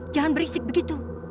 jangan berisik begitu